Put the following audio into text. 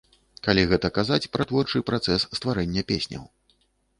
Гэта калі казаць пра творчы працэс стварэння песняў.